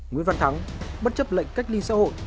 nguyễn văn thắng bất chấp lệnh cách ly xã hội